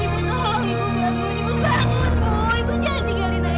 ibu tolong ibu bangun ibu bangun ibu